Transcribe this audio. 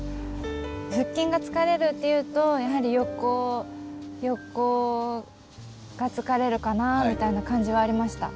腹筋が疲れるっていうとやはり横が疲れるかなあみたいな感じはありました。